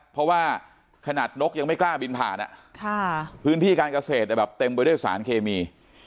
เพราะว่าขนาดนกยังไม่กล้าบินผ่านพื้นที่การเกษตรแบบเต็มไปด้วยสารเคมี